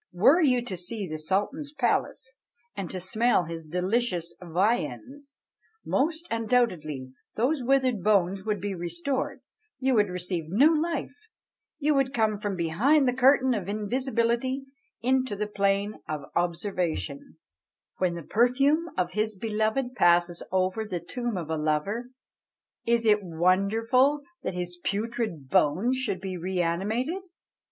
Were you to see the Sultan's palace, and to smell his delicious viands, most undoubtedly those withered bones would be restored; you would receive new life; you would come from behind the curtain of invisibility into the plane of observation When the perfume of his beloved passes over the tomb of a lover, Is it wonderful that his putrid bones should be re animated?"